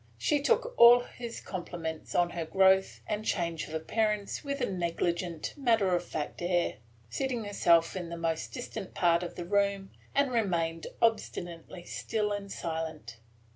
She took all his compliments on her growth and change of appearance with a negligent, matter of course air, seated herself in the most distant part of the room, and remained obstinately still and silent.